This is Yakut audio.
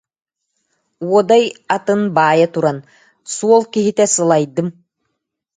Уодай атын баайа туран: «Суол киһитэ сылайдым